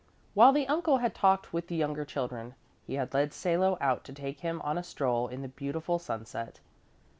While the uncle had talked with the younger children, he had led Salo out to take him on a stroll in the beautiful sunset.